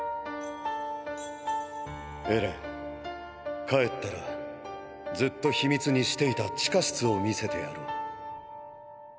エレン帰ったらずっと秘密にしていた地下室を見せてやろう。